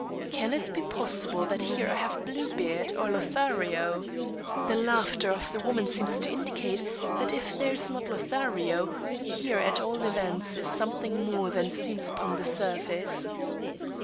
Can it be possible that here I have Bluebeard or Lothario? The laughter of the woman seems to indicate that if here is not Lothario, here at all events is something more than seems upon the surface.